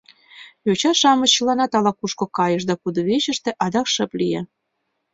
Йоча-шамыч чыланат ала-кушко кайышт да кудывечыште адак шып лие.